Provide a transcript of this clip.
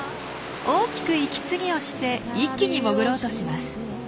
大きく息継ぎをして一気に潜ろうとします。